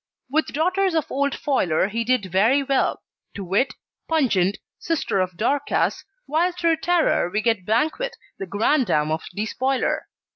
With daughters of Old Foiler he did very well to wit, Pungent, sister to Dorcas, while through Terror we get Banquet, the granddam of Despoiler.